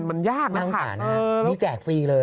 มันยากนะค่ะนั่งสารนะนี่แจกฟรีเลย